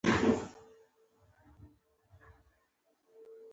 افغانستان د پکتیکا له پلوه یو خورا غني او بډایه هیواد دی.